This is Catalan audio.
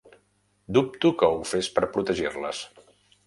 Dubto que ho fes per protegir-les.